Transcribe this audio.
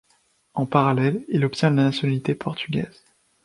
En parallèle, il obtient la nationalité portugaise.